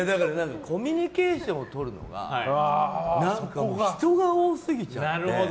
コミュニケーションをとるのが人が多すぎちゃって。